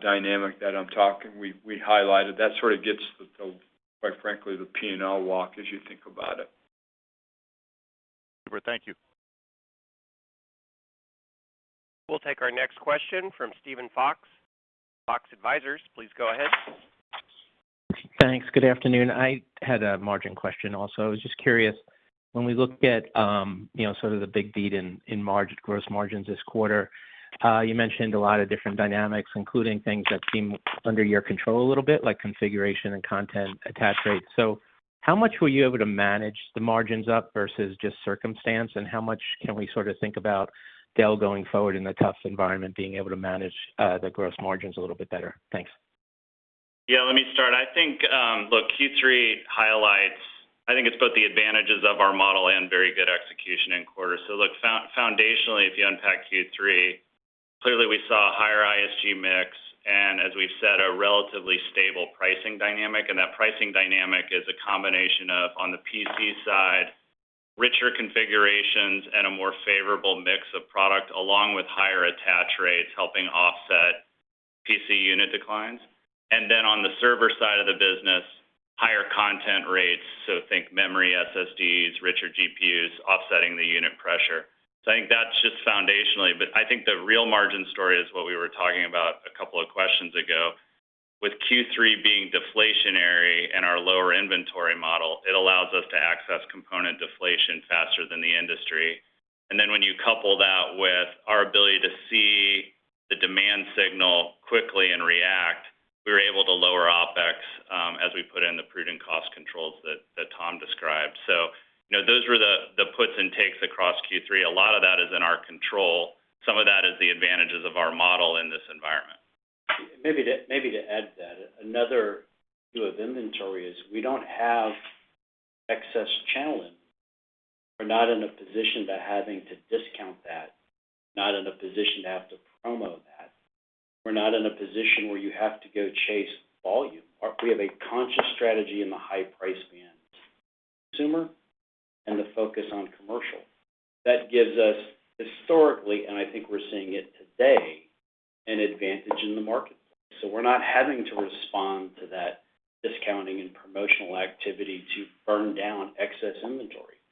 dynamic that I'm talking, we highlighted, that sort of gets the, quite frankly, the P&L walk as you think about it. Super. Thank you. We'll take our next question from Steven Fox, Fox Advisors. Please go ahead. Thanks. Good afternoon. I had a margin question also. I was just curious, when we look at, you know, sort of the big beat in gross margins this quarter, you mentioned a lot of different dynamics, including things that seem under your control a little bit, like configuration and content attach rates. How much were you able to manage the margins up versus just circumstance, and how much can we sort of think about Dell going forward in a tough environment, being able to manage the gross margins a little bit better? Thanks. Yeah, let me start. I think, look, Q3 highlights, I think it's both the advantages of our model and very good execution in quarter. Look, foundationally, if you unpack Q3, clearly we saw a higher ISG mix and as we've said, a relatively stable pricing dynamic. That pricing dynamic is a combination of, on the PC side, richer configurations and a more favorable mix of product, along with higher attach rates, helping offset PC unit declines. On the server side of the business, higher content rates, so think memory, SSDs, richer GPUs offsetting the unit pressure. I think that's just foundationally, but I think the real margin story is what we were talking about a couple of questions ago. With Q3 being deflationary and our lower inventory model, it allows us to access component deflation faster than the industry. When you couple that with our ability to see the demand signal quickly and react, we were able to lower OpEx as we put in the prudent cost controls that Tom described. You know, those were the puts and takes across Q3. A lot of that is in our control. Some of that is the advantages of our model in this environment. Maybe to add to that, another view of inventory is we don't have excess channel in. We're not in a position to having to discount that, not in a position to have to promo that. We're not in a position where you have to go chase volume. We have a conscious strategy in the high price band consumer and the focus on commercial. That gives us, historically, and I think we're seeing it today, an advantage in the marketplace. We're not having to respond to that discounting and promotional activity to burn down excess inventory.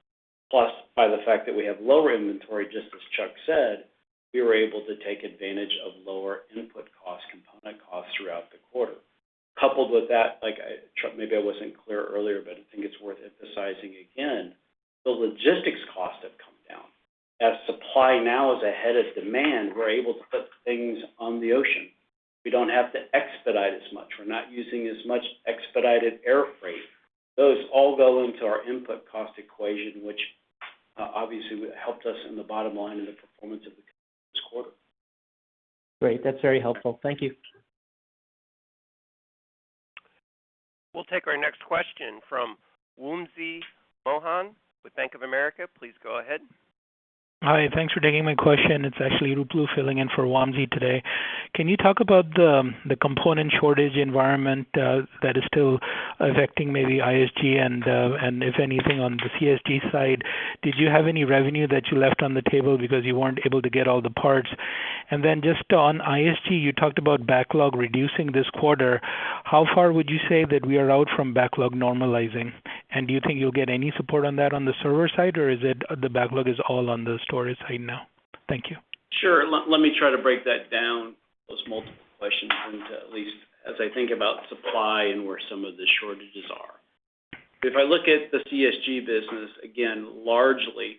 By the fact that we have lower inventory, just as Chuck said, we were able to take advantage of lower input cost, component costs throughout the quarter. Coupled with that, like I. Chuck, maybe I wasn't clear earlier. I think it's worth emphasizing again, the logistics costs have come down. As supply now is ahead of demand, we're able to put things on the ocean. We don't have to expedite as much. We're not using as much expedited air freight. Those all go into our input cost equation, which obviously helped us in the bottom line in the performance of the quarter this quarter. Great. That's very helpful. Thank you. We'll take our next question from Wamsi Mohan with Bank of America. Please go ahead. Hi. Thanks for taking my question. It's actually Ruplu filling in for Wamsi today. Can you talk about the component shortage environment that is still affecting maybe ISG and if anything, on the CSG side? Did you have any revenue that you left on the table because you weren't able to get all the parts? Then just on ISG, you talked about backlog reducing this quarter. How far would you say that we are out from backlog normalizing? Do you think you'll get any support on that on the server side, or is it the backlog is all on the storage side now? Thank you. Sure. Let me try to break that down, those multiple questions into at least as I think about supply and where some of the shortages are. If I look at the CSG business, again, largely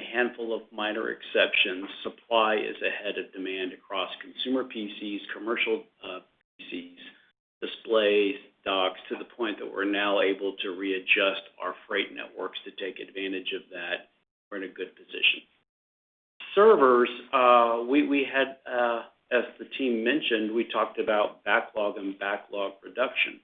a handful of minor exceptions, supply is ahead of demand across consumer PCs, commercial PCs, displays, docks, to the point that we're now able to readjust our freight networks to take advantage of that. We're in a good position. Servers, we had as the team mentioned, we talked about backlog and backlog reduction.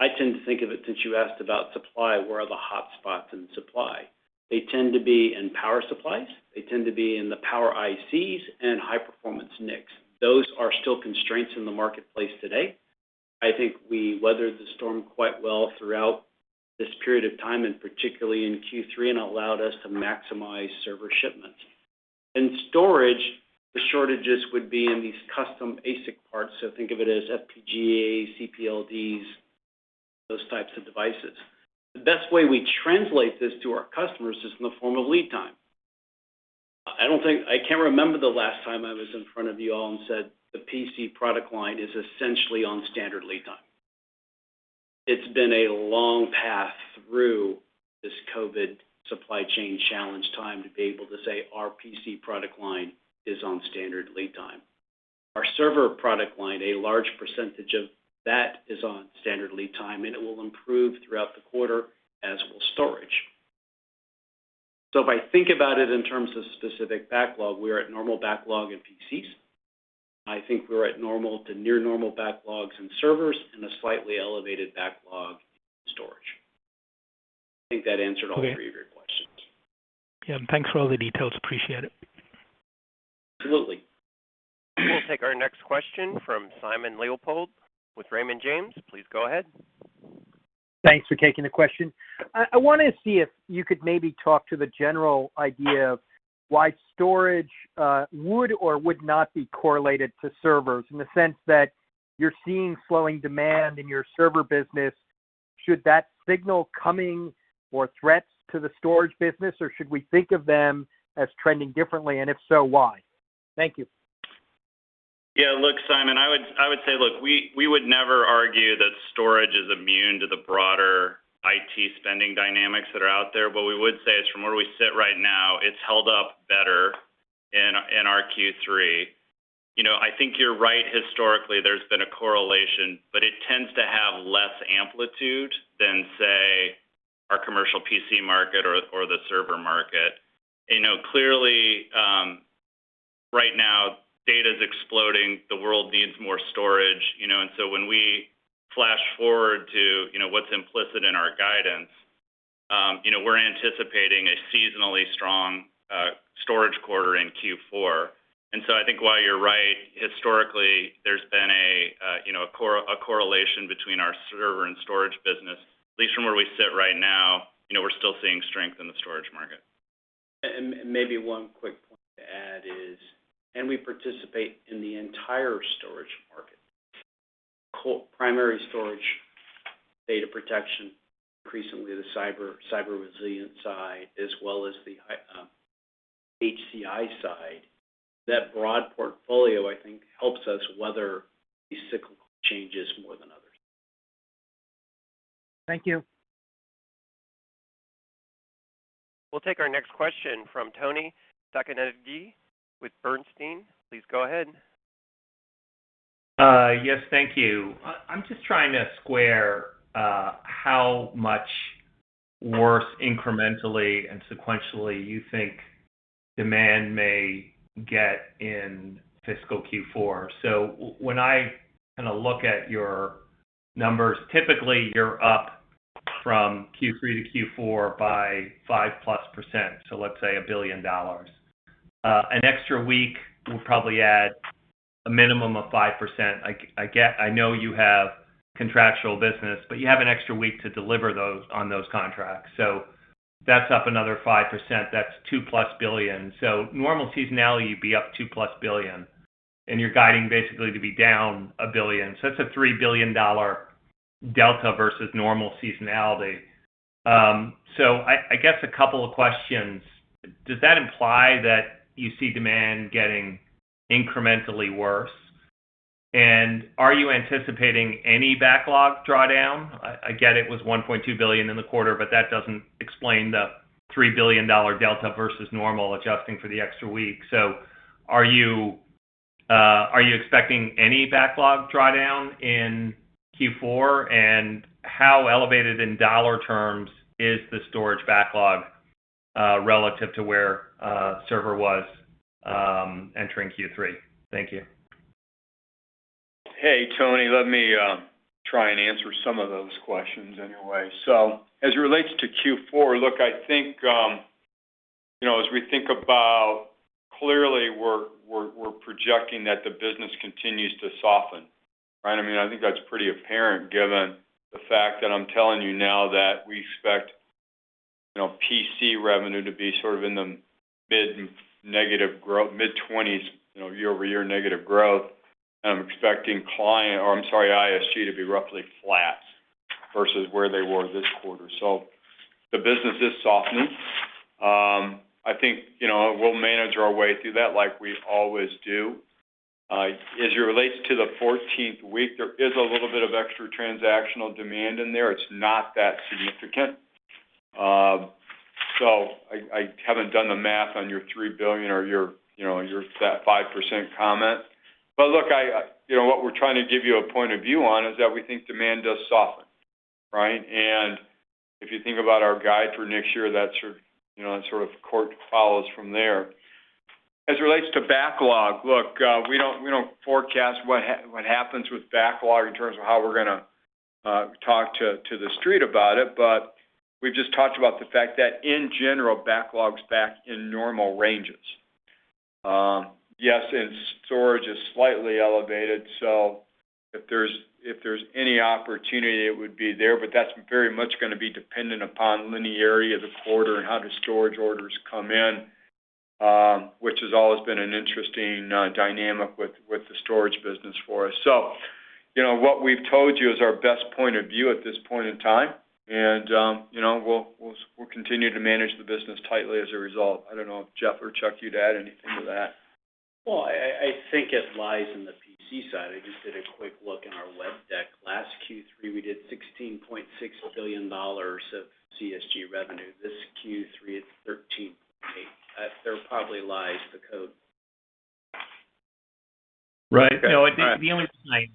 I tend to think of it since you asked about supply, where are the hotspots in supply? They tend to be in power supplies. They tend to be in the power ICs and high-performance NICs. Those are still constraints in the marketplace today. I think we weathered the storm quite well throughout this period of time, and particularly in Q3, and allowed us to maximize server shipments. In storage, the shortages would be in these custom ASIC parts. Think of it as FPGA, CPLDs, those types of devices. The best way we translate this to our customers is in the form of lead time. I can't remember the last time I was in front of you all and said the PC product line is essentially on standard lead time. It's been a long path through this COVID supply chain challenge time to be able to say our PC product line is on standard lead time. Our server product line, a large percentage of that is on standard lead time, and it will improve throughout the quarter as will storage. If I think about it in terms of specific backlog, we're at normal backlog in PCs. I think we're at normal to near normal backlogs in servers and a slightly elevated backlog in storage. I think that answered all three of your questions. Okay. Yeah. Thanks for all the details. Appreciate it. Absolutely. We'll take our next question from Simon Leopold with Raymond James. Please go ahead. Thanks for taking the question. I wanna see if you could maybe talk to the general idea of why storage would or would not be correlated to servers in the sense that you're seeing slowing demand in your server business. Should that signal coming more threats to the storage business, or should we think of them as trending differently, and if so, why? Thank you. Yeah. Look, Simon, I would say, look, we would never argue that storage is immune to the broader IT spending dynamics that are out there. We would say is from where we sit right now, it's held up better in our Q3. You know, I think you're right. Historically, there's been a correlation, but it tends to have less amplitude than, say, our commercial PC market or the server market. You know, clearly, right now, data's exploding. The world needs more storage, you know. When we flash forward to, you know, what's implicit in our guidance, you know, we're anticipating a seasonally strong storage quarter in Q4. I think while you're right, historically, there's been a, you know, a correlation between our server and storage business, at least from where we sit right now, you know, we're still seeing strength in the storage market. Maybe one quick point to add is, and we participate in the entire storage market. Primary storage, data protection, increasingly the cyber resilience side, as well as the HCI side. That broad portfolio, I think, helps us weather these cyclical changes more than others. Thank you. We'll take our next question from Toni Sacconaghi with Bernstein. Please go ahead. Yes, thank you. I'm just trying to square how much worse incrementally and sequentially you think demand may get in fiscal Q4. When I kinda look at your numbers, typically you're up from Q3 to Q4 by 5%+, so let's say $1 billion. An extra week will probably add a minimum of 5%. I know you have contractual business, but you have an extra week to deliver those on those contracts. That's up another 5%, that's $2+ billion. Normal seasonality, you'd be up $2+ billion, and you're guiding basically to be down $1 billion. That's a $3 billion delta versus normal seasonality. I guess a couple of questions. Does that imply that you see demand getting incrementally worse? Are you anticipating any backlog drawdown? I get it was $1.2 billion in the quarter, that doesn't explain the $3 billion delta versus normal adjusting for the extra week. Are you expecting any backlog drawdown in Q4? How elevated in dollar terms is the storage backlog relative to where server was entering Q3? Thank you. Hey, Tony, let me try and answer some of those questions anyway. As it relates to Q4, look, I think, you know, as we think about clearly we're projecting that the business continues to soften, right? I mean, I think that's pretty apparent given the fact that I'm telling you now that we expect, you know, PC revenue to be sort of in the mid-negative 20s% year-over-year negative growth. I'm expecting client, or I'm sorry, ISG to be roughly flat versus where they were this quarter. The business is softening. I think, you know, we'll manage our way through that like we always do. As it relates to the 14th week, there is a little bit of extra transactional demand in there. It's not that significant. I haven't done the math on your $3 billion or your, you know, your sat 5% comment. Look, I, you know, what we're trying to give you a point of view on is that we think demand does soften, right? If you think about our guide for next year, that's your, you know, that sort of course follows from there. As it relates to backlog, look, we don't forecast what happens with backlog in terms of how we're gonna talk to the street about it. We've just talked about the fact that in general, backlog's back in normal ranges. Yes, and storage is slightly elevated, so if there's, if there's any opportunity, it would be there, but that's very much gonna be dependent upon linearity of the quarter and how the storage orders come in, which has always been an interesting dynamic with the storage business for us. You know, what we've told you is our best point of view at this point in time. You know, we'll continue to manage the business tightly as a result. I don't know if Jeff or Chuck you'd add anything to that. Well, I think it lies in the PC side. I just did a quick look in our web deck. Last Q3, we did $16.6 billion of CSG revenue. This Q3, it's $13.8 billion. There probably lies the code. Right. No, I think the only thing I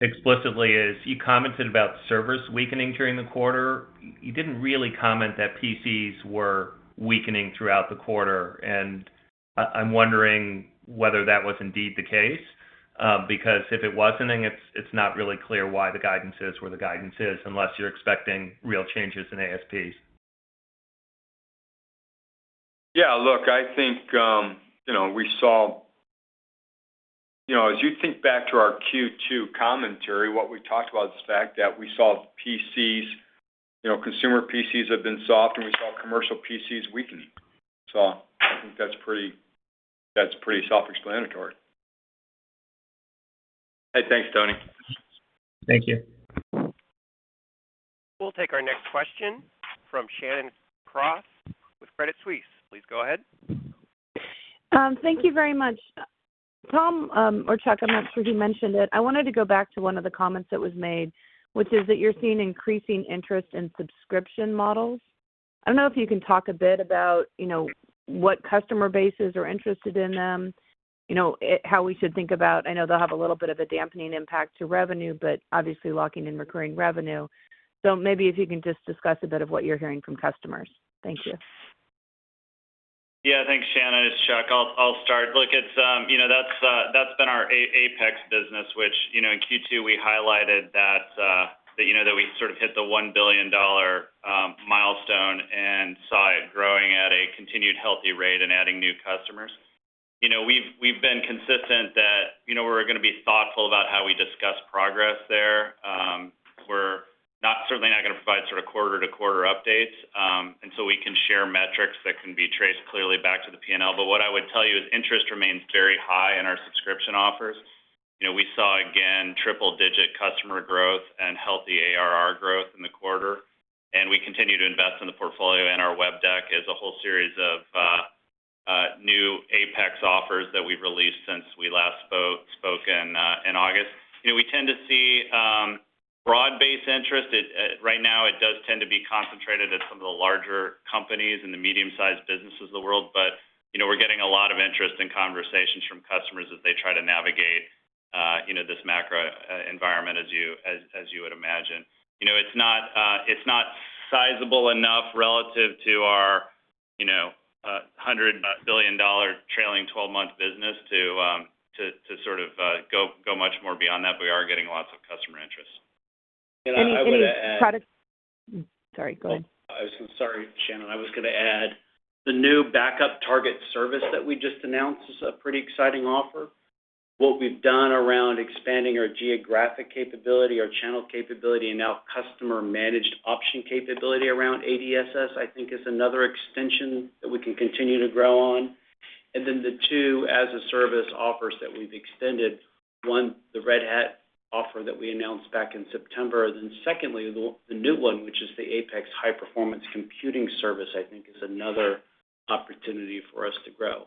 explicitly is you commented about servers weakening during the quarter. You didn't really comment that PCs were weakening throughout the quarter, and I'm wondering whether that was indeed the case. Because if it wasn't, then it's not really clear why the guidance is where the guidance is, unless you're expecting real changes in ASPs. Yeah. Look, I think, you know, as you think back to our Q2 commentary, what we talked about is the fact that we saw PCs, you know, consumer PCs have been soft, and we saw commercial PCs weakening. I think that's pretty self-explanatory. Hey, thanks, Toni. Thank you. We'll take our next question from Shannon Cross with Credit Suisse. Please go ahead. Thank you very much. Tom, or Chuck, I'm not sure who mentioned it. I wanted to go back to one of the comments that was made, which is that you're seeing increasing interest in subscription models. I don't know if you can talk a bit about, you know, what customer bases are interested in them. You know, how we should think about, I know they'll have a little bit of a dampening impact to revenue, but obviously locking in recurring revenue. Maybe if you can just discuss a bit of what you're hearing from customers. Thank you. Yeah. Thanks, Shannon. It's Chuck. I'll start. Look, it's, you know, that's been our APEX business, which, you know, in Q2 we highlighted that, you know, that we sort of hit the $1 billion milestone and saw it growing at a continued healthy rate and adding new customers. You know, we've been consistent that, you know, we're gonna be thoughtful about how we discuss progress there. We're certainly not gonna provide sort of quarter-to-quarter updates. We can share metrics that can be traced clearly back to the P&L. What I would tell you is interest remains very high in our subscription offers. You know, we saw again triple-digit customer growth and healthy ARR growth in the quarter, and we continue to invest in the portfolio and our web deck as a whole series of New APEX offers that we've released since we last spoken in August. You know, we tend to see broad-based interest. It right now, it does tend to be concentrated at some of the larger companies and the medium-sized businesses of the world. You know, we're getting a lot of interest and conversations from customers as they try to navigate, you know, this macro environment as you would imagine. You know, it's not, it's not sizable enough relative to our, you know, $100 billion trailing twelve-month business to sort of go much more beyond that. We are getting lots of customer interest. I would add. Any product. Sorry, go ahead. Sorry, Shannon. I was going to add, the new backup target service that we just announced is a pretty exciting offer. What we've done around expanding our geographic capability, our channel capability, and now customer managed option capability around ADSS, I think is another extension that we can continue to grow on. The two as-a-service offers that we've extended, one, the Red Hat offer that we announced back in September. Secondly, the new one, which is the APEX High Performance Computing service, I think is another opportunity for us to grow.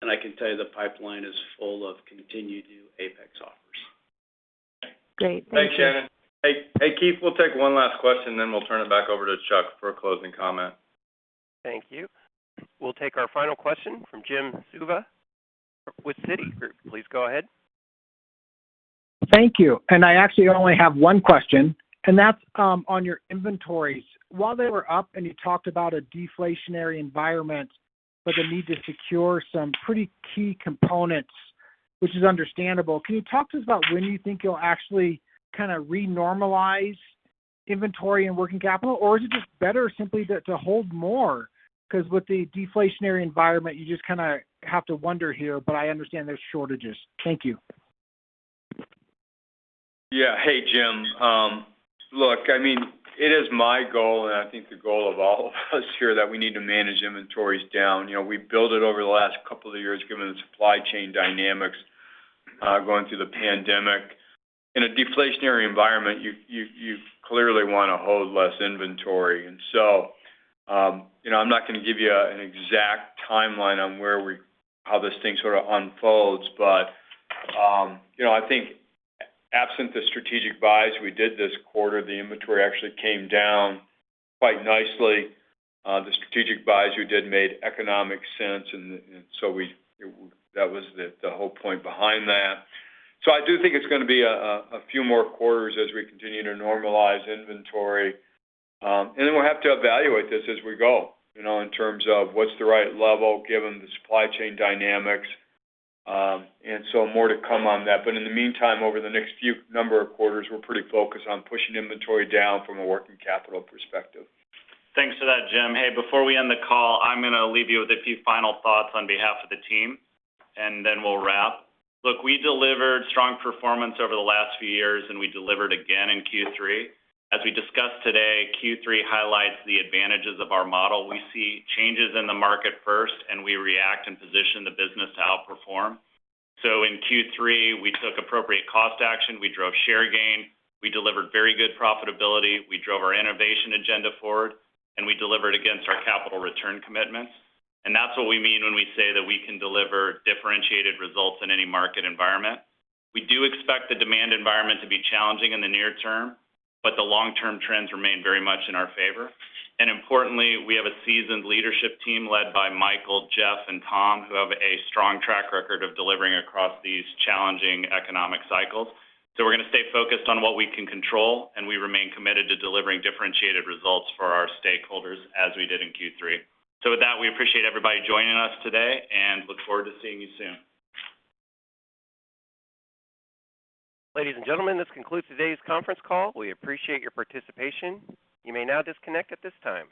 I can tell you the pipeline is full of continued new APEX offers. Great. Thank you. Thanks, Shannon. Hey, Keith. We'll take one last question, then we'll turn it back over to Chuck for a closing comment. Thank you. We'll take our final question from Jim Suva with Citigroup. Please go ahead. Thank you. I actually only have one question, and that's on your inventories. While they were up and you talked about a deflationary environment for the need to secure some pretty key components, which is understandable, can you talk to us about when you think you'll actually kinda re-normalize inventory and working capital? Or is it just better simply to hold more? 'Cause with the deflationary environment, you just kinda have to wonder here, but I understand there's shortages. Thank you. Yeah. Hey, Jim. Look, I mean, it is my goal, and I think the goal of all of us here, that we need to manage inventories down. You know, we've built it over the last couple of years given the supply chain dynamics, going through the pandemic. In a deflationary environment, you clearly wanna hold less inventory. You know, I'm not gonna give you an exact timeline on how this thing sorta unfolds. You know, I think absent the strategic buys we did this quarter, the inventory actually came down quite nicely. The strategic buys we did made economic sense and so that was the whole point behind that. I do think it's gonna be a few more quarters as we continue to normalize inventory. We'll have to evaluate this as we go, you know, in terms of what's the right level given the supply chain dynamics. More to come on that. In the meantime, over the next few number of quarters, we're pretty focused on pushing inventory down from a working capital perspective. Thanks for that, Jim. Hey, before we end the call, I'm gonna leave you with a few final thoughts on behalf of the team, and then we'll wrap. Look, we delivered strong performance over the last few years, and we delivered again in Q3. As we discussed today, Q3 highlights the advantages of our model. We see changes in the market first, and we react and position the business to outperform. In Q3, we took appropriate cost action, we drove share gain, we delivered very good profitability, we drove our innovation agenda forward, and we delivered against our capital return commitments. That's what we mean when we say that we can deliver differentiated results in any market environment. We do expect the demand environment to be challenging in the near term, but the long-term trends remain very much in our favor. Importantly, we have a seasoned leadership team led by Michael, Jeff, and Tom, who have a strong track record of delivering across these challenging economic cycles. We're gonna stay focused on what we can control, and we remain committed to delivering differentiated results for our stakeholders as we did in Q3. With that, we appreciate everybody joining us today and look forward to seeing you soon. Ladies and gentlemen, this concludes today's conference call. We appreciate your participation. You may now disconnect at this time.